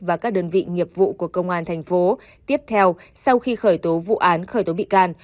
và các đơn vị nghiệp vụ của công an thành phố tiếp theo sau khi khởi tố vụ án khởi tố bị can